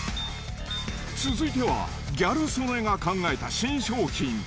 続いてはギャル曽根が考えた新商品。